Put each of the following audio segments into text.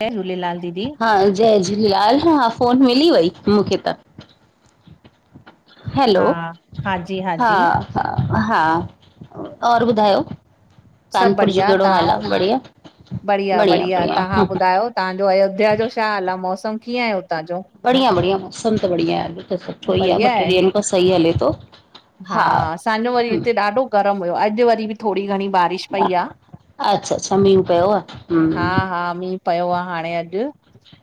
जय झूलेलाल दीदी। हा जय झूलेलाल, हा फ़ोन मिली वई मूंखे त। हा हैलो, हाजी हाजी हा- हा, हा और ॿुधायो। सभु कानपुर जो बढ़िया केड़ो हाल तव्हां आहे? ॿुध बढ़िया, बढ़िया- बढ़िया हु ब। तहांजो अयोध्या जो छा हाल आहे? मौसम कीअं आहे हुतां जो? बढ़िया- बढ़िया, मौसम त बढ़िया आहे! अॼु त सुठो ई आहे, ॿ टे ॾींहंनि खां सही हले थो। हा असांजो वरी हम्म, हिते ॾाढो गरम हुयो, अॼु वरी बि थोरी घणी बारिश पई या, अच्छा अच्छा मींहुं पियो आहे हम्म हा- हा, मीं पयो आह हाणे अॼु,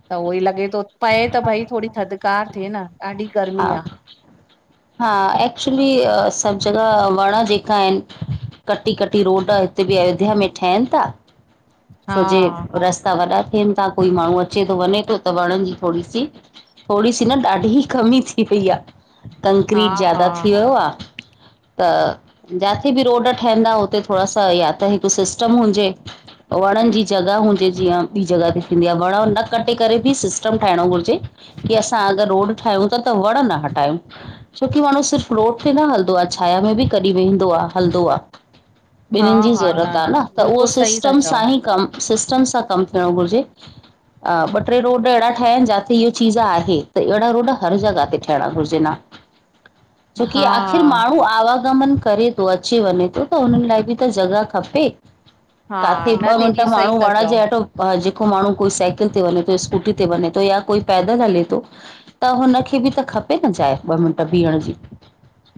त उहोई लॻे थो, पए त भई थोड़ी थधिकार थिए न। ॾाढी गर्मी आह। [inaudible] हा एक्चुली, सब जगह वण जेका आहनि। कटी-कटी रोड, हिते बि अयोध्या में ठहनि था, हा छो जे रस् वॾा थियनि था, कोई माण्हू अचे थो वञे थो त वणनि जी थोड़ी सी, थोरी सी न ॾाढी कमी थी पई आह, हा कंक्रीट हा ज्यादा थी वयो आह त जाते बि रोड ठहंदा हुते थोड़ा सा, या त हिकु सिस्टम हुजे। वणनि जी जॻह हुजे जीअं, ॿी जॻह ते थींदी आहे। वण न कटे करे बि सिस्टम ठाहिणो घुरिजे। की असां अगरि रोड ठाहियूं था, त वण न हटायूं। छोकी माण्हू सिर्फ़ु रोड में न हलंदो आह। छाया में बि कॾहिं वेंंदो आह, हलंदो आह। हा ॿिननि जी हा ज़रूरत आहे न, त उहो बिल्कुलु सही था सिस्टम चओ सां ई कमु, सिस्टम सां कम थियणो घुरिजे। अ ॿ टे रोड अहिड़ा ठहिया आहिनि जाते, इहा चीज़ आहे। त अहिड़ा रोड हर जॻह ते थियण घुरिजन हां, छोकी हा आख़िर माणू आवागमन करे थो, अचे- वञे थो, त उन्हनि लाइ बि त जॻह खपे। हा काथे न ॿ मिंट दीदी सही माण्हू था वण चओ जे हेठों हां, जेको माण्हू कोई साइकिल ते वञे थो, स्कूटी ते वञे थो, या कोई पैदल हले थो त हुनखे बि त खपे न जाए, ॿ मिंट बीहण जी।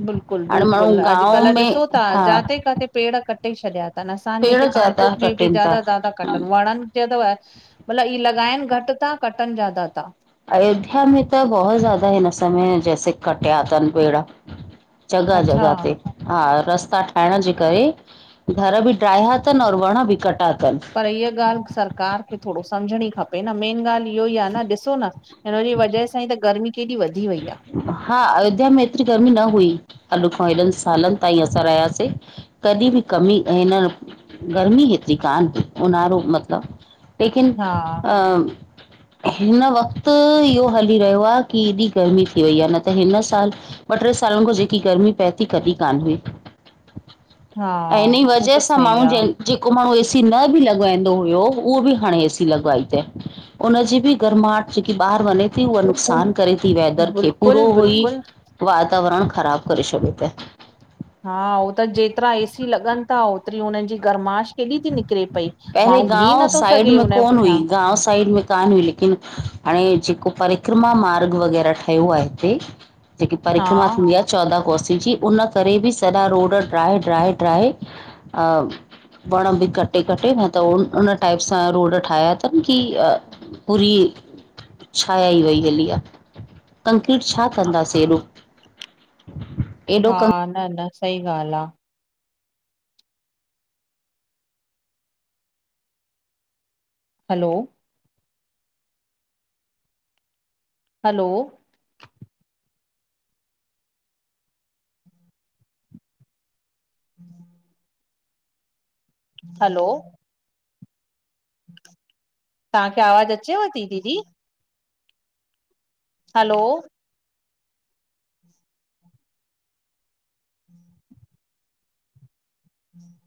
बिल्कुलु- हाणे माण्हू बिल्कुलु, गांव अॼुकल्ह में ॾिसो था हा जाते- काथे पेड़ कटे छॾिया त असांजे पेड़ हिते ज्यादा कानपुर में बि कटनि ज्यादा- ज्यादा था कटनि, वणनि च अथव मतिलब ई लॻाइनि घटि था, कटनि ज्यादा था। अयोध्या में त बहुत ज़्यादा हिन न समय, जैसे कटिया तन पेड़। जॻहा- अच्छा जॻहा ते। हा, रस्ता ठाहिण जे करे घर बि ड्राहिया अथनि, और वण बि कटिया अथनि। पर ईअ ॻाल्हि सरकार खे थोड़ो सम्झणी खपे न, मेन ॻाल्हि इहो ई आहे न, ॾिसो न। हिनजी वजह सां ई त, गर्मी केॾी वधी वई आह। हा अयोध्या में एतिरी गर्मी न हुई, अॼु खां हेॾनि सालनि ताईं असां रहियासें। तॾहिं बि कमी, हिन गर्मी हेतिरी कान थी, ऊन्हारो मतलबु। लेकिन हा अं हिन वक़्तु, इहो हली रहियो आहे कि एॾी गर्मी थी वई आहे। न त हिन साल, ॿ टे सालनि खां जेकी गर्मी पए थी, कॾहिं कान हुई। हा ऐं हिन ई हू त वजह सां सही माण्हू आहे जं जेको माण्हू ए सी न बि लॻाईंदो हुयो, उहो बि हाणे एसी लॻाई तए। हुन जी बि गर्माहट जेकी ॿाहिरि वञे ती उहा नुक़सान करे वेदर खे पूरो बिल्कुलु हुई बिल्कुलु वातावरण ख़राब करे शॾे त। हा हो त जेतिरा एसी लॻनि ता ओतिरी हुननि जी गरमाश केॾी थी निकिरे पई पहले माण्हू बीह गांव नथो साइड सघे में हुनजे कोन पुठियां हुई गांव साइड में कान हुई लेकिन। हाणे जेको परिक्रमा मार्ग वग़ैराह ठहियो आ हिते जेकी हा परिक्रमा थींदी आ चौदाहं कोसी जी उन करे बि सॼा रोड ड्राए ड्राए ड्राए वण बि कटे कटे न त उन टाइप सां रोड ठाहिया तनि की पूरी छाया ई वई हली आ। कंक्रीट छा कंदासीं एॾो। हा एॾो न न सही ॻाल्हि आ। हलो। हलो। [inaudible] हलो। तहां खे आवाज़ अचेव ती, दीदी? हलो। [inaudible] [inaudible]